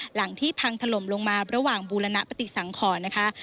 หลังที่พังถล่มลงมาระหว่างบูรณปฏิสังขรนะคะ